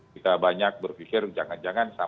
kita banyak berpikir jangan jangan